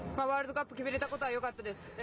ワールドカップ決めれたことはよかったです。